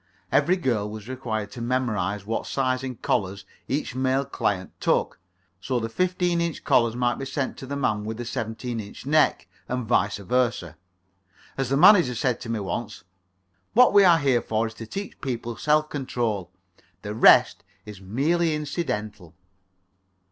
Every girl was required to memorize what size in collars each male client took, so that the fifteen inch collars might be sent to the man with the seventeen inch neck and vice versa. As the manager said to me once: "What we are here for is to teach people self control. The rest is merely incidental."